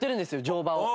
乗馬を。